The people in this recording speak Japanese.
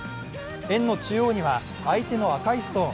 円の中央には相手の赤いストーン。